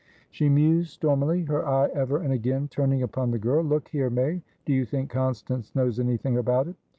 She mused stormily, her eye ever and again turning upon the girl. "Look here, May; do you think Constance knows anything about it?"